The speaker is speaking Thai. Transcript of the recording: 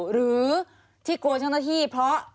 หรือที่กลัวเจ้าหน้าที่เพราะ